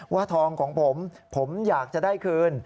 ทองของผมผมอยากจะได้คืน